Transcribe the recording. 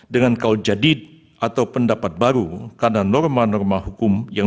dengan kau jadid atau pendapat baru karena norma norma hukum yang